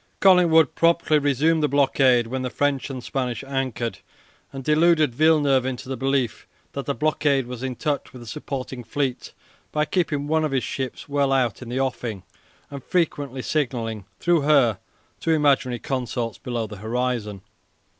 Collingwood promptly resumed the blockade when the French and Spanish anchored, and deluded Villeneuve into the belief that the blockade was in touch with a supporting fleet by keeping one of his ships well out in the offing, and frequently signalling through her to imaginary consorts below the horizon.